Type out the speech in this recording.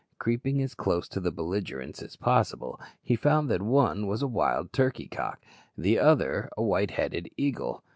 Creeping as close to the belligerents as possible, he found that one was a wild turkey cock, the other a white headed eagle.